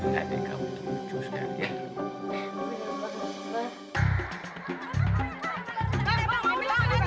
dede kamu tuh lucu sekali ya